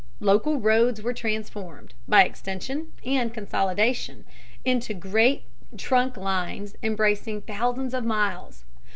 Local roads were transformed, by extension and consolidation, into great trunk lines embracing thousands of miles.